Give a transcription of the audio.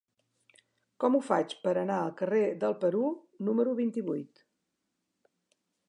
Com ho faig per anar al carrer del Perú número vint-i-vuit?